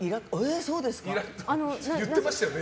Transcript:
言ってましたよね